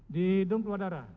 di hidung keluar darah